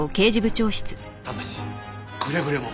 ただしくれぐれも極秘に。